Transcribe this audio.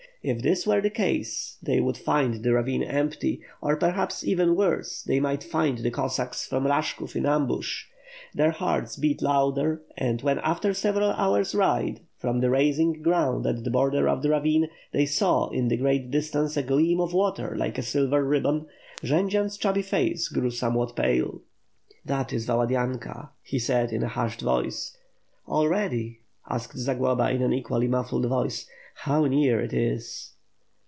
If this were the case, they would find the ravine empty; or, perhaps even worse, 652 WITH FIRE AND SWORD. they might find the Cossacks from Rashkov in ambush. Their hearts beat louder and when after several hours ride, from a rising ground at the border of the ravine they saw in the distance a gleam of water like a silver ribbon, Jend zian's chubby face grew somewhat pale. "That is Valadynka/^ he said, in a hushed voice. "Already!" asked Zaglaba, in an equally mufiBed voice, "how near it is